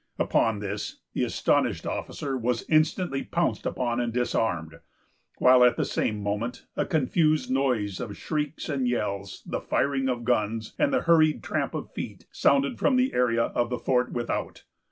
Upon this, the astonished officer was instantly pounced upon and disarmed; while, at the same moment, a confused noise of shrieks and yells, the firing of guns, and the hurried tramp of feet, sounded from the area of the fort without.